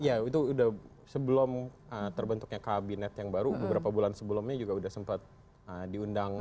ya itu udah sebelum terbentuknya kabinet yang baru beberapa bulan sebelumnya juga sudah sempat diundang